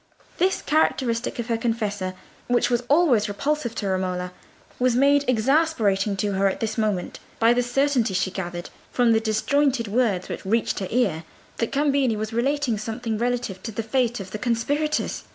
This characteristic of her confessor, which was always repulsive to Romola, was made exasperating to her at this moment by the certainty she gathered, from the disjointed words which reached her ear, that Cambini was narrating something relative to the fate of the conspirators.